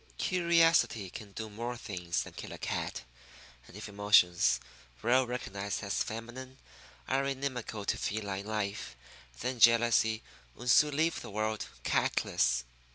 Curiosity can do more things than kill a cat; and if emotions, well recognized as feminine, are inimical to feline life, then jealousy would soon leave the whole world catless.